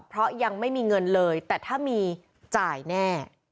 เพราะยังไม่มีเงินเลยแต่ถ้ามีจ่ายแน่